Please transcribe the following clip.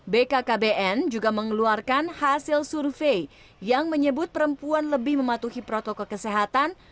bkkbn juga mengeluarkan hasil survei yang menyebut perempuan lebih mematuhi protokol kesehatan